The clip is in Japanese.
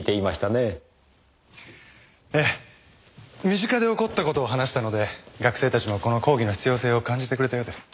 身近で起こった事を話したので学生たちもこの講義の必要性を感じてくれたようです。